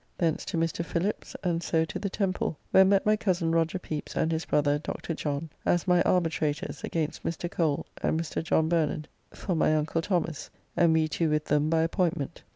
Thence to Mr. Phillips, and so to the Temple, where met my cozen Roger Pepys and his brother, Dr. John, as my arbitrators against Mr. Cole and Mr. John Bernard for my uncle Thomas, and we two with them by appointment.